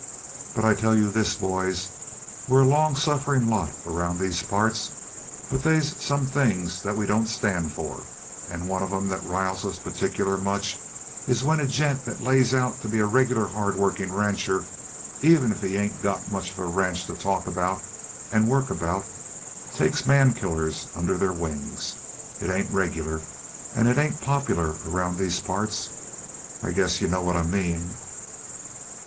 But I tell you this, boys we're a long sufferin' lot around these parts, but they's some things that we don't stand for, and one of 'em that riles us particular much is when a gent that lays out to be a regular hardworking rancher even if he ain't got much of a ranch to talk about and work about takes mankillers under their wings. It ain't regular, and it ain't popular around these parts. I guess you know what I mean."